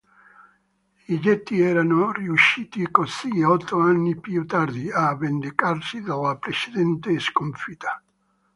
I Geti erano riusciti così, otto anni più tardi, a vendicarsi della precedente sconfitta.